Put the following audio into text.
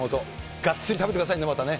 がっつり食べてくださいね、またね。